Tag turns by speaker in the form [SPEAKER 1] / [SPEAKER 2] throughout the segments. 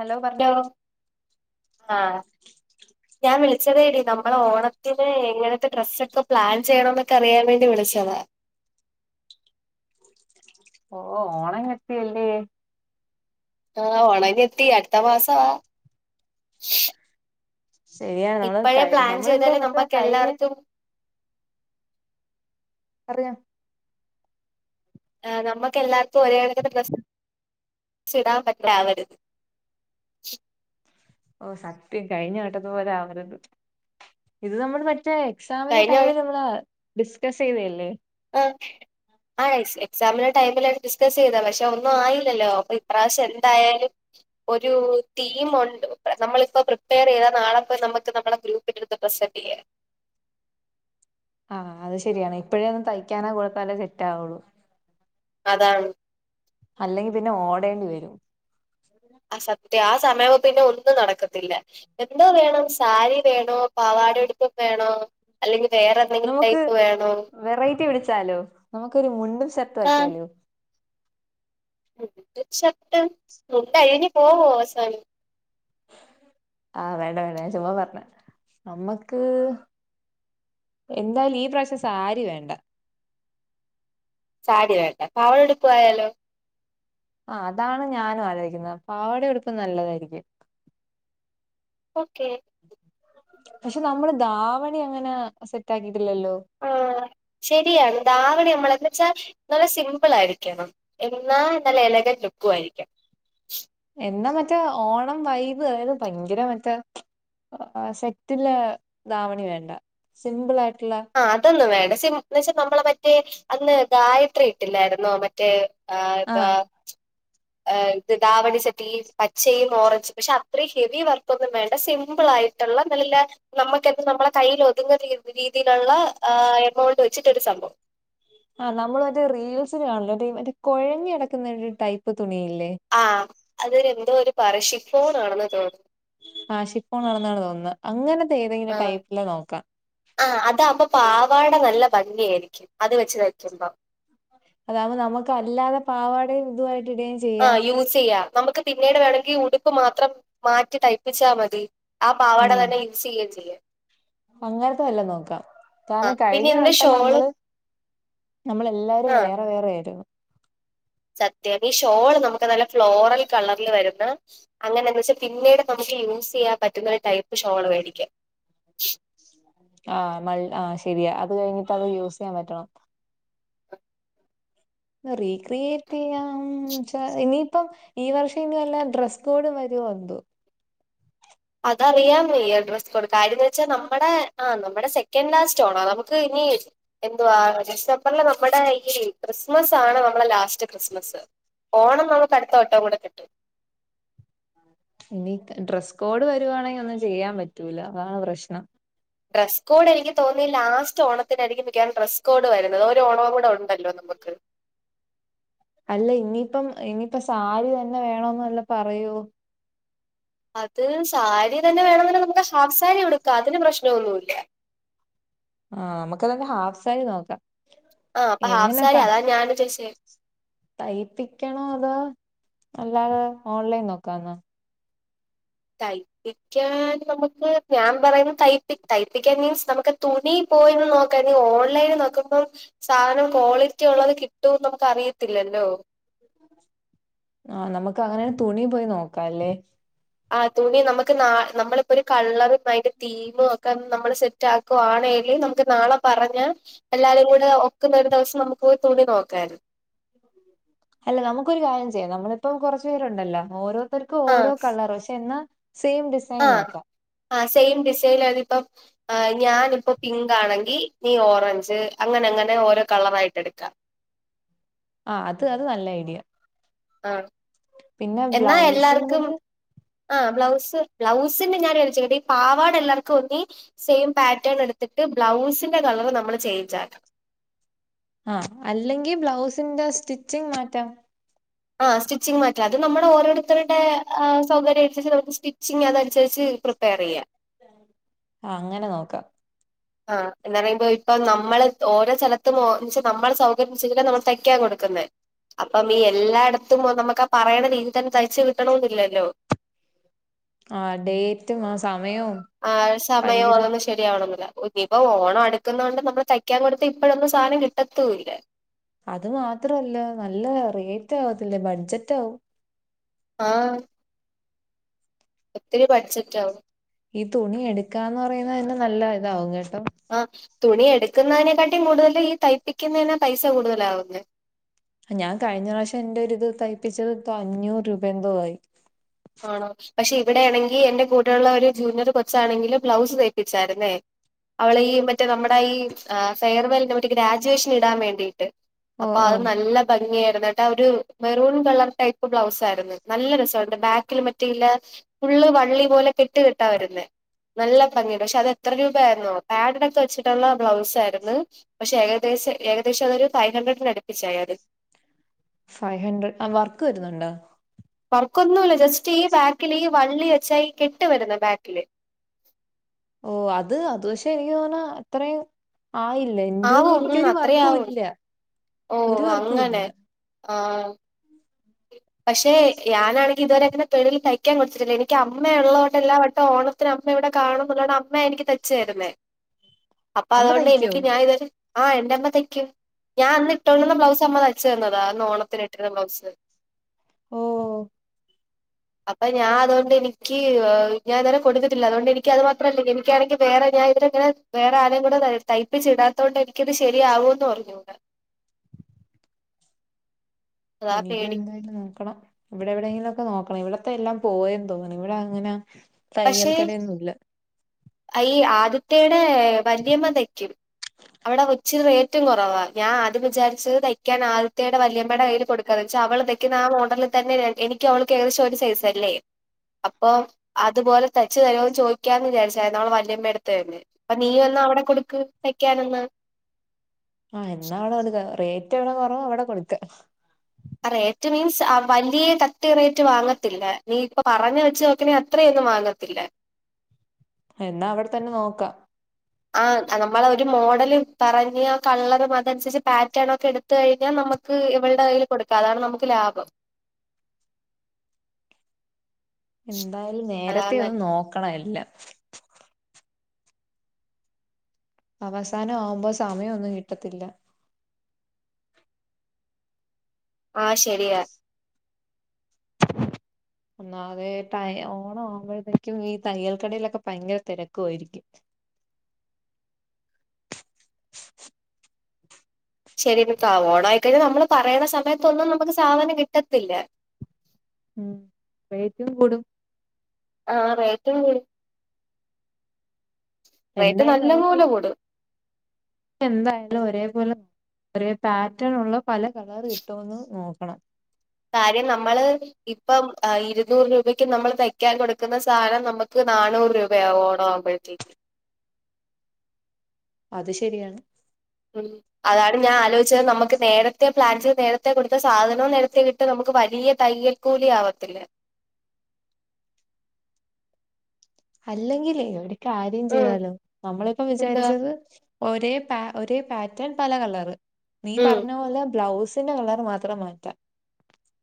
[SPEAKER 1] Hello പറഞ്
[SPEAKER 2] ഞോ ആഹ്
[SPEAKER 1] [unintelligible]
[SPEAKER 2] ഞാൻ വിളിച്ചതേടി നമ്മളോണത്തിന് എങ്ങനത്തെ ഡ്രസ്സൊക്കെ പ്ലാൻ ചെയ്യണന്നൊക്കെ അറിയാൻ വേണ്ടി വിളിച്ചതാ.
[SPEAKER 1] [unintelligible] ഓഹ് ഓണം ഇങ്ങ് എത്തിയെല്ലേ?
[SPEAKER 2] ആഹ് ഓണം ഇഞ്ഞെത്തി, അടുത്ത മാസവാ.
[SPEAKER 1] ശരിയാണ് നമ്മള്
[SPEAKER 2] ഇപ്പഴേ
[SPEAKER 1] കഴി
[SPEAKER 2] പ്ലാൻ
[SPEAKER 1] നമ്മളെന്തോ
[SPEAKER 2] ചെയ്താലേ
[SPEAKER 1] മറ്റേ
[SPEAKER 2] നമ്മക്ക്
[SPEAKER 1] കഴിഞ്ഞേ
[SPEAKER 2] എല്ലാർക്കും
[SPEAKER 1] അറിയാം
[SPEAKER 2] ആഹ് നമുക്ക് എല്ലാവർക്കും ഒരേ കണക്കത്തെ ഡ്രസ്സ് ഇടാൻ പറ്റാതെവരും.
[SPEAKER 1] ഓഹ് സത്യം കഴിഞ്ഞ വട്ടത്തെ പോലാവരുത്, ഇത് നമ്മള് മറ്റേ എക്സാമിന്
[SPEAKER 2] കഴിഞ്ഞ
[SPEAKER 1] ടൈമില് നമ്മള് ഡിസ്കസ് ചെയ്തയല്ലേ?
[SPEAKER 2] ഓക്കേ ആഹ് എസ് എക്സാമിന്റെ ടൈമില് ഡിസ്കസ് ചെയ്തതാ, പക്ഷെ ഒന്നും ആയില്ലല്ലോ അപ്പൊ ഇപ്രാവശ്യം എന്തായാലും ഒരു ടീം ഒണ്ട്, നമ്മളിപ്പോ പ്രിപ്പയർ ചെയ്താ നാളെ ഇപ്പം നമുക്ക് നമ്മുടെ ഗ്രൂപ്പ് [unintelligible]
[SPEAKER 1] ആഹ് അത് ശരിയാണ് ഇപ്പോഴേ ഒന്നും തയ്ക്കാനോ കൊടുത്താലേ സെറ്റാവുള്ളൂ.
[SPEAKER 2] അതാണ്
[SPEAKER 1] അല്ലെങ്കി പിന്നെ ഓടേണ്ടി വരും.
[SPEAKER 2] അത് സത്യാ, ആ സമയാവുമ്പോ പിന്നെ ഒന്നും നടക്കത്തില്ല. എന്തോ വേണം സാരി വേണോ പാവാട ഉടുപ്പും വേണോ അല്ലെങ്കി വേറേതെ
[SPEAKER 1] നമുക്ക് വെറൈറ്റി പിടിച്ചാലോ? നമുക്കൊരു മുണ്ടും ഷർട്ടും ആക്കിയാലോ?
[SPEAKER 2] [unintelligible] ഷർട്ടും മുണ്ട് അഴിഞ്ഞു പോവോ അവസാനം
[SPEAKER 1] ആഹ് വേണ്ട വേണ്ട ഞാൻ ചുമ്മാ പറഞ്ഞാ നമ്മക്ക് എന്തായാലും ഈ പ്രാവശ്യം സാരി വേണ്ട
[SPEAKER 2] സാരി വേണ്ട പാവാടേം ഉടുപ്പും ആയാലോ?
[SPEAKER 1] ആഹ് അതാണ് ഞാനും ആലോചിക്കുന്നത് പാവാടേം ഉടുപ്പും നല്ലതായിരിക്കും
[SPEAKER 2] ഓക്കെ
[SPEAKER 1] പക്ഷെ നമ്മള് ദാവണി അങ്ങനെ സെറ്റ് ആക്കിയിട്ടില്ലല്ലോ
[SPEAKER 2] ആഹ് ശെരിയാണ് ദാവണി നമ്മള് എന്ന് വെച്ചാ നല്ല സിമ്പിൾ ആയിരിക്കണം എന്നാ നല്ല എലഗന്റ് ലുക്കും ആയിരിക്കണം
[SPEAKER 1] എന്നാ മറ്റേ ഓണം വൈബ് ആയത് ഭയങ്കര മറ്റേ സെറ്റില് ദാവണി വേണ്ട സിംപിൾ ആയിട്ടുള്ള
[SPEAKER 2] ആഹ് അതൊന്നും വേണ്ട എന്നുവെച്ചാ നമ്മളെ മറ്റേ അന്ന് ഗായത്രി ഇട്ടില്ലായിരുന്നോ മറ്റേ ആഹ് എന്താ ഹ് ഇത് ദാവണി സെറ്റില് പച്ചയും ഓറഞ്ചും പക്ഷെ അത്രയും ഹെവി വർക്കൊന്നും വേണ്ട സിമ്പിൾ ആയിട്ട് ള്ള നമ്മുക്ക് നമ്മടെ കയ്യിൽ ഒതുങ്ങുന്ന രീതിയിൽ ഇതിനുള്ള എമൗണ്ട് വെച്ചിട്ടൊരു സംഭവം
[SPEAKER 1] ആഹ് നമ്മൾ മറ്റേ റീൽസിന് കാണൂല്ലോ മറ്റേ മറ്റേ കുഴഞ്ഞ് കിടക്കുന്ന ഒരു ടൈപ്പ് തുണിയില്ലേ
[SPEAKER 2] ആഹ് അതിന് എന്തോ ഒരു പറയും ഷിഫോണാണെന്ന് തോന്നുന്നു
[SPEAKER 1] ആഹ് ഷിഫോൺ ആണെന്നാണ് തോന്നുന്നത് അങ്ങനത്തെ ഏതെങ്കിലും
[SPEAKER 2] ആഹ്
[SPEAKER 1] ടൈപ്പില് നോക്കാം
[SPEAKER 2] ആഹ് അതാകുമ്പോ പാവാട നല്ല ഭംഗിയായിരിക്കും അത് വെച്ച് തയ്ക്കുമ്പോ
[SPEAKER 1] അതാവുമ്പോ നമുക്ക് അല്ലാതെ പാവാടയും ഇതുവായിട്ട് ഇടുവേം
[SPEAKER 2] ആഹ് യൂസ് ചെയ്യാം നമുക്ക് പിന്നീട് വേണമെങ്കിൽ ഉടുപ്പ് മാത്രം മാറ്റി തയ്പ്പിച്ചാ മതി ആഹ് പാവാട
[SPEAKER 1] ഉം
[SPEAKER 2] തന്നെ യൂസ് ചെയ്യേം ചെയ്യാം
[SPEAKER 1] അങ്ങനത്തെ വല്ലോം നോക്കാം കാരണം
[SPEAKER 2] ആഹ് പിന്നെ
[SPEAKER 1] കഴിഞ്ഞ
[SPEAKER 2] ഇതിന്റെ
[SPEAKER 1] വട്ടം
[SPEAKER 2] ഷോളും
[SPEAKER 1] നമ്മള് നമ്മള് എല്ലാരും
[SPEAKER 2] ആ
[SPEAKER 1] വേറെ വേറെ ആരുന്നു
[SPEAKER 2] സത്യം ഈ ഷോള് നമുക്ക് നല്ല ഫ്ലോറൽ കളറിൽ വരുന്ന അങ്ങനെ എന്ന് വെച്ചാ പിന്നീട് നമുക്ക് യൂസ് ചെയ്യാൻ പറ്റുന്ന ഒരു ടൈപ്പ് ഷോള് മേടിക്കാം
[SPEAKER 1] ആഹ് മൾ ആഹ് ശെരിയാ അത് കഴിഞ്ഞിട്ട് അത് യൂസ് ചെയ്യാൻ പറ്റണം റീക്രിയേറ്റ് ചെയ്യാൻ ച്ചാ ഇനിയിപ്പം ഈ വർഷം ഇനി വല്ല ഡ്രസ് കോഡും വരുവോ എന്തോ
[SPEAKER 2] അതറിയാൻ വയ്യ ഡ്രസ് കോഡ് കാര്യം എന്ന് വെച്ചാൽ നമ്മുടെ ആഹ് നമ്മുടെ സെക്കൻഡ് ലാസ്റ്റ്റ്റോണവാ നമുക്ക് ഇനി എന്തുവാ ഡിസംബറിലെ നമ്മുടെ ഈ ക്രിസ്മസ് ആണ് നമ്മളെ ലാസ്റ്റ് ക്രിസ്മസ് ഓണം നമുക്കടുത്ത വട്ടം കൂടെ കിട്ടും
[SPEAKER 1] ഇനി ഡ്രസ്സ് കോഡ് വരുവാണെങ്കിൽ ഒന്നും ചെയ്യാൻ പറ്റൂല അതാണ് പ്രശ്നം
[SPEAKER 2] ഡ്രസ് കോഡ് എനിക്ക് തോന്നുന്നു ലാസ്റ്റ് ഓണത്തിനായിരിക്കും മിക്കവാറും ഡ്രസ് കോഡ് വരുന്നത് ഒരു ഓണം കൂടെ ഉണ്ടല്ലോ നമുക്ക്
[SPEAKER 1] അല്ല ഇനിയിപ്പം ഇനിയിപ്പം സാരി തന്നെ വേണോന്ന് പറയോ
[SPEAKER 2] അത് സാരി തന്നെ വേണോങ്കി നമുക്ക് ഹാഫ് സാരി ഉടുക്കാം അതിന് പ്രശ്നൊന്നൂല്ല
[SPEAKER 1] ആഹ് നമുക്ക്തന്നെ ഹാഫ് സാരി നോക്കാം
[SPEAKER 2] ആഹ് ഹാഫ്
[SPEAKER 1] എങ്ങനെ
[SPEAKER 2] സാരി
[SPEAKER 1] ത
[SPEAKER 2] അതാ ഞാൻ ചോയിച്ചേ
[SPEAKER 1] തയ്പ്പിക്കണോ അതോ അല്ലാതെ ഓൺലൈൻ നോക്കാന്നോ
[SPEAKER 2] തയ്പ്പിക്കാൻ നമുക്ക് ഞാൻ പറയുന്ന ത തയ്പ്പിക്കാൻ മീൻസ് നമുക്ക് തുണി പോയിന്ന് നോക്കാ ഈ ഓൺലൈന് നോക്കുമ്പം സാധനം ക്വാളിറ്റി ഉള്ളത് കിട്ടുംന്ന് നമുക്ക് അറിയത്തില്ലല്ലോ
[SPEAKER 1] ആഹ് നമുക്ക് അങ്ങനെ തുണി പോയി നോക്കാം അല്ലേ
[SPEAKER 2] ആഹ് തുണി നമുക്ക് നാ നമ്മളിപ്പോ ഒരു കളറും അയിന്റെ തീം തീമും ഒക്കെ നമ്മള് സെറ്റ് ആക്കുകവാണെല് നമുക്ക് നാളെ പറഞ്ഞ് എല്ലാരും കൂടെ ഒക്കുന്ന ഒരു ദിവസം നമുക്ക് പോയി തുണി നോക്കാരുന്നു.
[SPEAKER 1] അല്ല നമുക്കൊരു കാര്യം ചെയ്യാം നമ്മളിപ്പം കുറച്ചു പേരുണ്ടല്ലോ ഓരോരുത്തർക്കും ഓരോ കളറ് പക്ഷെ എന്നാ സെയിം ഡിസ്
[SPEAKER 2] ആഹ് ആഹ് സെയിം ഡിസൈനാത്തിപ്പം ആഹ് ഞാനിപ്പൊ പിങ്ക് ആണെങ്കി നീ ഓറഞ്ച് അങ്ങനെ അങ്ങനെ ഓരോ കളറയിട്ട് എടുക്കാം.
[SPEAKER 1] ആഹ്, അത് അത് നല്ല ഐഡിയ.
[SPEAKER 2] ആഹ്
[SPEAKER 1] പിന്നെ
[SPEAKER 2] എന്നാ എല്ലാർക്കും
[SPEAKER 1] ബ്ലൗസിന്റേത്.
[SPEAKER 2] ആഹ് ബ്ലൗസ് ബ്ലൗസിന്റെ ഞാൻ [unintelligible] ഈ പാവാട എല്ലർക്കും ഒന്നി സെയിം പാറ്റേൺ എടുത്തിട്ട് ബ്ലൗസിന്റെ കളർ നമ്മള് ചേഞ്ച് ആകാം.
[SPEAKER 1] ആഹ് അല്ലെങ്കി ബ്ലൗസിന്റെ സ്റ്റിച്ചിങ് മാറ്റാം.
[SPEAKER 2] ആഹ് സ്റ്റിച്ചിങ് മാറ്റാം. അത് നമ്മുടെ ഓരോരുത്തരുടെ സൗകര്യ അനുസരിച്ച് നമുക്ക് സ്റ്റിച്ചിങ് അതനുസരിച്ച് പ്ര തെറയ്യ.
[SPEAKER 1] ആഹ് അങ്ങനെ നോക്കാം.
[SPEAKER 2] ആഹ് എന്ന് പറയുമ്പോ ഇപ്പ നമ്മള് ഓരോ സ്ഥലത്തും ഓ വെച്ച നമ്മള് സൗകര്യം അനുസരിച്ച്ട്ട നമ്മൾ തയ്ക്കാൻ കൊടുക്കുന്നേ. അപ്പം ഈ എല്ലായിടത്തും നമുക്കാ പറയണ രീതി തന്നെ തയ്ച്ച് കിട്ടണന്നില്ലല്ലോ?
[SPEAKER 1] ആഹ് ഡേറ്റും ആഹ് സമയോ
[SPEAKER 2] ആഹ് സമയം. [unintelligible] ശരിയാവണെന്നില്ല. ഇപ്പ ഓണം അടുക്കുന്നോണ്ട് നമ്മള് തയ്ക്കാൻ കൊടുത്ത ഇപ്പഴൊന്നും സാധനം കിട്ടത്തൂല്ല.
[SPEAKER 1] അത് മാത്രല്ല നല്ല റേറ്റ് ആകതില്ലെ? ബഡ്ജറ്റ് ആവും.
[SPEAKER 2] ആഹ് ഒത്തിരി ബഡ്ജെറ്റ് ആവും.
[SPEAKER 1] ഈ തുണി എടുക്കാന്ന് പറയുന്നതന്നെ നല്ല ഇതാവും കേട്ടോ?
[SPEAKER 2] ആഹ് തുണി എടുക്കുന്നതിനെക്കാട്ടി കൂടുതല് ഈ തയ്പ്പിക്കുന്നതിനാ പൈസ കൂടുതലാവുന്നെ.
[SPEAKER 1] ഞാൻ കഴിഞ്ഞ പ്രാവശ്യം എന്റെ ഒരിത് തയ്പ്പിച്ചത് തൊ അഞ്ഞൂറ് രൂപ എന്തോ ആയി.
[SPEAKER 2] ആണോ? പക്ഷെ ഇവിടെ ആണെങ്കിൽ എന്റെ കൂടെള്ള ഒരു ജൂനിയർ കൊച്ചാണെങ്കില് ബ്ലൗസ് തേപ്പിച്ചായിരുന്നേ. അവള ഈ മറ്റേ നമ്മുടെ ഈ ഫെയർവെൽന് മറ്റ് ഗ്രാജുവേഷൻ ഇടാൻ വേണ്ടിയിട്ട്.
[SPEAKER 1] ഓ
[SPEAKER 2] അപ്പൊ
[SPEAKER 1] ഓ
[SPEAKER 2] അത് നല്ല ഭംഗിയായിരുന്ന്ട്ട ഒരു മെറൂൺ കളർ ടൈപ്പ് ബ്ലൗസ് ആയിരുന്ന് നല്ല രസുണ്ട് ബാക്ക് ലും മറ്റയില്ല. ഫുള്ള് വള്ളി പോലെ കെട്ട് കെട്ടാ വരുന്നേ. നല്ല ഭംഗിയുണ്ട്. പക്ഷെ അത് എത്ര രൂപ ആയിരുന്നോ? പാഡഡൊക്കെ വെച്ചിട്ടുള്ള ബ്ലൗസ് ആരുന്ന്. പക്ഷെ ഏകദേശം ഏകദേശം അതൊരു ഫൈവ് ഹൺഡ്രഡ് അടുപ്പിച്ചായി അത്.
[SPEAKER 1] ഫൈവ് ഹൺണ്ട്രഡ്, ആഹ് വർക്ക് വരുന്നുണ്ടോ
[SPEAKER 2] വർക്കൊന്നുല്ല. ജസ്റ്റ് ഈ ബാക്കില് ഈ വള്ളി വെച്ച ഈ കെട്ട് വരുന്ന് ബാക്കില്.
[SPEAKER 1] ഓ, അത് അത് പക്ഷേ എനിക്ക് തോനുന്ന് ഇത്രേയും ആയില്ലെ. എന്തു ഞ്ഞി
[SPEAKER 2] ആവും ഉം
[SPEAKER 1] എനിക്കൊരു
[SPEAKER 2] അത്രേ ആവും
[SPEAKER 1] വർകുല്ല.
[SPEAKER 2] ഓ, അങ്ങനെ. ആഹ് പക്ഷെ ഞാനാണെങ്കി ഇതുവരെ അങ്ങനെ തെളിൽ തയ്ക്കാൻ കൊടുത്തിട്ടില്ല. എനിക്ക് അമ്മയു ള്ളോണ്ട് എല്ലാ വട്ടം ഓണം. അമ്മ ഇവിടെ കാണണം എന്നുള്ളോണ്ട അമ്മ എനിക്ക് തൈച്ചരുന്നേ. അപ്പൊ
[SPEAKER 1] അമ്മ
[SPEAKER 2] അതുകൊണ്ട്
[SPEAKER 1] തയ്ക്കോ
[SPEAKER 2] എനിക്ക് ഞാൻ ഇതരു. ആഹ്, എന്റെ അമ്മ തൈക്കും. ഞാൻ അന്ന് ഇട്ടോണ്ട് വന്ന ബ്ലൗസ് അമ്മ തൈച്ചു തന്നതാ. അന്ന് ഓണത്തിന് ഇട്ടിരുന്ന ബ്ലൗസ്.
[SPEAKER 1] ഓ.
[SPEAKER 2] അപ്പൊ ഞാൻ അതോണ്ട് എനിക്ക് ഞാൻ ഇതരെ കൊടുക്കത്തില്ല. അതുകൊണ്ട് എനിക്ക് അത് മാത്രല്ല, എനിക്കാണെങ്കിൽ വേറെ ഞാൻ ഇതിങ്ങനെ. വേറെ ആരെയും കൂടെ ത തയ്പ്പിച്ച് ഇടാതോണ്ട് എനിക്കത് ശരിയാവോന്നും അറിഞ്ഞൂട അതാ
[SPEAKER 1] എനിക്ക്
[SPEAKER 2] പേടി
[SPEAKER 1] എന്തായാലും നോക്കണം. ഇവിടെ എവിടെങ്കിലൊക്കെ നോക്കണം. ഇവിടത്തെ എല്ലാം പോയെന്ന് തോന്നുന്നു. ഇവിടെ അങ്ങനെ. തയ്യൽ
[SPEAKER 2] പക്ഷേ
[SPEAKER 1] കടയൊന്നും ഇല്ല
[SPEAKER 2] ഈ ആദിത്തെയുടെ വല്യമ്മതയ്ക്കും. അവിടെ കൊച്ച് റേറ്റും കുറവാ. ഞാൻ ആദ്യം വിചാരിച്ചത് തയ്ക്കാൻ ആദ്യത്തയുടെ വല്യമ്മയുടെ കയ്യില് കൊടുക്ക വെച്ചാ അവളതൈക്കുന്ന ആഹ് മോഡലിൽ തന്നെ എനിക്ക് അവൾക്ക് ഏകദേശം ഒരു സൈസല്ലേ? അപ്പൊ അതുപോലെ തൈച്ചു തരോന്ന് ചോദിക്കാന്ന് വിചാരിച്ചതായിരുന്നു അവളുടെ വല്യമ്മേടടുത്ത് തന്നെ. അപ്പൊ നീയും എന്ന അവിടെ കൊടുക്ക് തയ്ക്കാനൊന്ന്.
[SPEAKER 1] ആഹ് എന്നാ അവിടെ കൊടുക്ക റേറ്റ് എവിടെ കൊറവ അവിടെ കൊടുക്ക
[SPEAKER 2] റേറ്റ് മീൻസ് വലിയ കത്തി റേറ്റ് വാങ്ങത്തില്ല നീ ഇപ്പ പറഞ്ഞ വെച്ച് നോക്കുമ്പോ അത് ത്രയൊന്നും വാങ്ങത്തില്ല
[SPEAKER 1] എന്നാ അവിടെ തന്നെ നോക്കാം
[SPEAKER 2] ആഹ് നമ്മള ഒരു മോഡല് പറഞ്ഞ ആഹ് കള്ളതും അതനുസരിച്ച് പാറ്റേണൊക്കെ എടു ഴിഞ്ഞാ നമക്ക് ഇവൾടെ കയ്യിൽ കൊടുക്കാം അതാണ് നമുക്ക് ലാഭം
[SPEAKER 1] എന്തായാലും നേരത്തെ
[SPEAKER 2] അതാണ്
[SPEAKER 1] ഒന്ന്
[SPEAKER 2] നല്ലത്
[SPEAKER 1] നോക്കണം എല്ലാം അവസാനം ആവുമ്പോ സമയംഒന്നും കിട്ടത്തില്ലാ.
[SPEAKER 2] ആ ശരിയാ
[SPEAKER 1] ഒന്നാതെ ഓണം ആവുമ്പോഴത്തേക്കും ഈ തയ്യൽക്കടയിലൊക്കെ ഭയങ്കര തെരക്കുആയിരിക്കും [unintelligible]
[SPEAKER 2] ശരിക്കാ ഓണം ആയിക്കഴിഞ്ഞാൽ നമ്മള് പറയണ സമയത്തൊന്നും നമുക്ക് സാധനം കിട്ടത്തില്ല.
[SPEAKER 1] ഉം റേറ്റും കൂടും
[SPEAKER 2] ആ റേറ്റും കൂടും റേറ്റ്
[SPEAKER 1] എന്തായാലും
[SPEAKER 2] നല്ല
[SPEAKER 1] നമുക്ക്
[SPEAKER 2] പോലെ കൂടും
[SPEAKER 1] എന്തായാലും ഒരേപോലെ ഒരേ പാറ്റേൺ ഉള്ള പല കളർ കിട്ടോന്ന് നോക്കണം.
[SPEAKER 2] കാര്യം നമ്മള് ഇപ്പം ഇരുന്നൂറ് രൂപയ്ക്ക് നമ്മൾ തയ്ക്കാൻ കൊടുക്കുന്ന സാധനം നമുക്ക്.. ന നാനൂറ് രൂപയാ ഓണം ആവുമ്പോഴത്തേക്ക്
[SPEAKER 1] അത് ശരിയാണ്
[SPEAKER 2] ഉം അതാണ് ഞാൻ ആലോചിച്ചത് നമുക്ക് നേരത്തെ പ്ലാൻ ചെയ്ത് നേരത്തെ കൊടുത്ത സാധനവും നേരത്തെ കിട്ടും നമുക്ക് വലിയ തയ്യൽക്കൂലി ആവത്തില്ല
[SPEAKER 1] അല്ലെങ്കിലേ ഒരു കാര്യം
[SPEAKER 2] ഉം
[SPEAKER 1] ചെയ്താലോ നമ്മളിപ്പം
[SPEAKER 2] എന്താ
[SPEAKER 1] വിചാരിച്ചത് ഒരേ പ ഒരേ പാറ്റേൺ പല കളറ് നീ
[SPEAKER 2] ഉം
[SPEAKER 1] പറഞ്ഞ പോലെ ബ്ലൗസ്. തിൻ്റെ കളറ് മാത്രം മാറ്റാം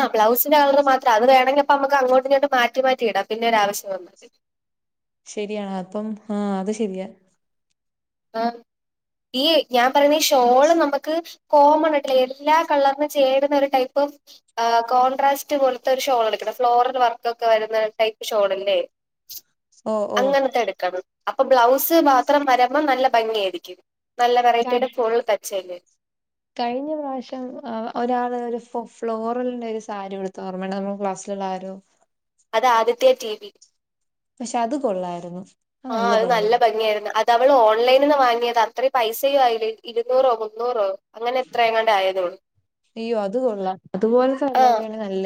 [SPEAKER 2] ആബ്ലൗസിന്റെകളർ മാത്രം അത് വേമെങ്കിപ്പ നമക്ക് അങ്ങോട്ട് ഇങ്ങട്ട് മാറ്റി മാറ്റിയിടാം പിന്നെ ഒരു ആവശ്യം വന്നാ
[SPEAKER 1] ശരിയാണ് അപ്പം ആഹ അത് ശരിയാ
[SPEAKER 2] ആ ഈ ഞാൻ പറയുന്ന ഷോള് നമക്ക് കോമൺ ആയിട്ടുള്ളേ എല്ലാ കളറിന ചേരുന്ന ഒരു ടൈപ്പും ആ കോൺട്രാസ്റ്റ് പോലത്തെ ഒരു ഷോൾ എടുക്കണം ഫ്ലോറൽ വർക്ക് ഒക്കെ വരുന്ന ടൈപ്പ് ഷോളില്ലേ
[SPEAKER 1] ഓ ഓ
[SPEAKER 2] അങ്ങനത്തെ എടുക്കണം അപ്പൊ ബ്ലൗസ് മാത്രം വരാ.. അപ്പം നല്ല ഭംഗി ആയിരിക്കും നല്ല വെറൈറ്റിയുടെ
[SPEAKER 1] കഴി-
[SPEAKER 2] ഫുൾ തച്ചല്ലേ
[SPEAKER 1] കഴിഞ്ഞ പ്രാവശ്യം ഒരാള് ഒരു ഫ ഫ്ലോറൽന്റെ ഒരു സാരി ഉടുത്തു ഓർമ്മയണ്ടോ നമ്മൾ ക്ലാസ്സിലുള്ള ആരോ
[SPEAKER 2] അത് ആദിത്യ ടി വി
[SPEAKER 1] പക്ഷെ അത് കൊള്ളായിരുന്നു
[SPEAKER 2] ആഹ അത് നല്ല ഭംഗിയായിരുന്നു തഅവള് ഓൺലൈനിൽ നിന്ന് വാങ്ങിയതാ അത്രയും പൈസയൂം ആയില്ല ഇരുന്നൂറോ മുന്നൂറോ അങ്ങനെ എത്രയെങ്ങാണ്ട് ആയതേ ഉള്ളൂ
[SPEAKER 1] അയ്യോ അത് കൊള്ളാം അതുപോലെ
[SPEAKER 2] ആഹ്
[SPEAKER 1] വല്ലതാണ് നല്ല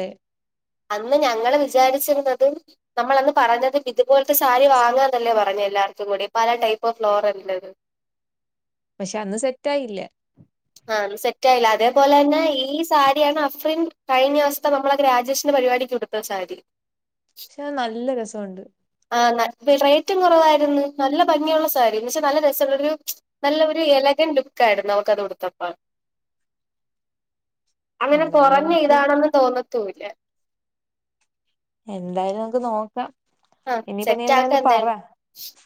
[SPEAKER 2] അന്ന് ഞങ്ങള് വിചാരിച്ചിരുന്നത് നമ്മളന്ന് പറഞ്ഞത് ഇതുപോലത്തെ സാരി വാങ്ങാന്നല്ലേ പറഞ്ഞേ എല്ലാർക്കും കൂടി പല ടൈപ്പ് ഫ്ലോർല്ലത്
[SPEAKER 1] പക്ഷെ അന്ന് സെറ്റായില്ല
[SPEAKER 2] ആഹ സെറ്റായില്ല അതേപോലെ തന്നെ ഈ സാരിയാണ് അഫ്രീൻ കഴിഞ്ഞുസത്തെ നമ്മളെ ഗ്രേഡുവേഷൻ്റെ പരിപാടിക്ക് ഉടു സാരീ
[SPEAKER 1] പക്ഷെ നല്ല രസമുണ്ട്
[SPEAKER 2] ആ റേറ്റും കുറവായിരുന്നു നല്ല ഭംഗിയുള്ള സാരി ന്നവച്ചാ നല്ല രസമുള്ളരു നല്ല ഒരു എലകൻ ലുക്കായിരുന്നു അവർക്കത് ഉടുത്തപ്പോ അങ്ങനെ
[SPEAKER 1] എന്തായാലും
[SPEAKER 2] കൊറഞ്ഞ
[SPEAKER 1] നമുക്ക്
[SPEAKER 2] ഇതാണെന്ന് തോന്നത്തൂല്ല
[SPEAKER 1] എന്തായാലും നമക്ക് നോക്കാം
[SPEAKER 2] ആഹ്
[SPEAKER 1] ഇനിപ്പോ നീ
[SPEAKER 2] സെറ്റ് ആക്ക
[SPEAKER 1] എന്തായല് പറ
[SPEAKER 2] എന്തായാലും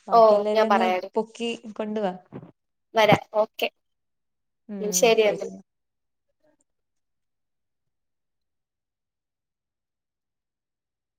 [SPEAKER 1] ബാക്കി
[SPEAKER 2] ഓഹ് ഞാൻ
[SPEAKER 1] എല്ലാരെം ഒന്ന്
[SPEAKER 2] പറയാടി
[SPEAKER 1] പൊക്കി കൊണ്ടുവ.
[SPEAKER 2] വരാം ഓക്കെ
[SPEAKER 1] ഉം ശരി ന്നാ